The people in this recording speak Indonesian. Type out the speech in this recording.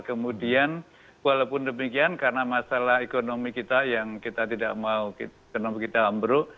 kemudian walaupun demikian karena masalah ekonomi kita yang kita tidak mau ekonomi kita ambruk